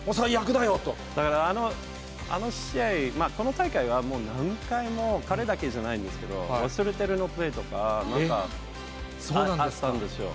あの試合、この大会は、もう何回も、彼だけじゃないんですけど、忘れてるのプレーとか、あったんですよ。